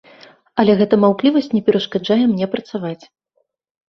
Але гэта маўклівасць не перашкаджае мне працаваць.